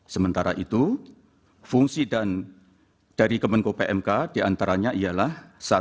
sementara itu fungsi dan dari kemenko pmk diantaranya ialah satu